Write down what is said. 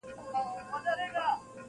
• په واړه کور کي له ورور سره دښمن یو -